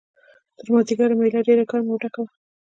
تر مازیګره مېله ډېره ګرمه او ډکه وه.